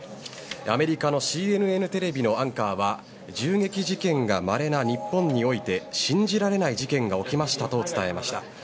アメリカのＣＮＮテレビのアンカーは銃撃事件がまれな日本において信じられない事件が起きましたと伝えました。